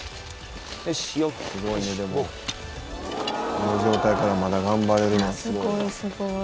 「この状態からまだ頑張れるのすごいな」「すごいすごい」